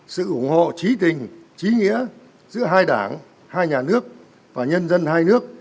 sự ủng hộ trí tình trí nghĩa giữa hai đảng hai nhà nước và nhân dân hai nước